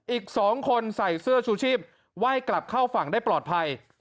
อีก๒คนใส่เสื้อชูชีพไหว้กลับเข้าฝั่งได้ปลอดภัย